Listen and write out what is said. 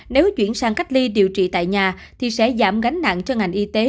nếu chuyển sang cách ly điều trị tại nhà thì sẽ giảm gánh nặng cho ngành y tế